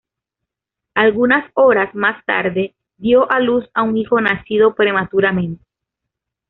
Algunas horas más tarde, dio a luz a un hijo nacido prematuramente.